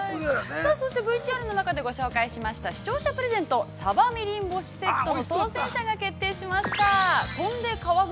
◆ＶＴＲの中でご紹介しました、視聴者プレゼント、サバみりん干しセット、当せん者が決定しました。